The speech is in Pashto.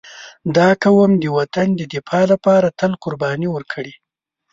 • دا قوم د وطن د دفاع لپاره تل قرباني ورکړې.